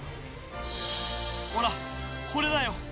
ほらこれだよ。